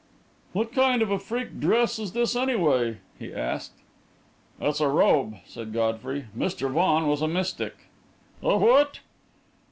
"What kind of a freak dress is this, anyway?" he asked. "It's a robe," said Godfrey. "Mr. Vaughan was a mystic." "A what?"